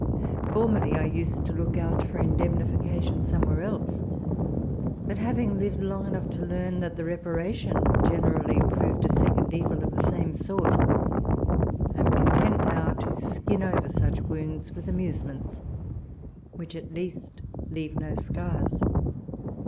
For merly I used to look out for indemnification somewhere else ; but having lived long enough to learn that the reparation generally proved a second evil of the same sort, I am content now to skin over such wounds with amusements, which at least leave no scars.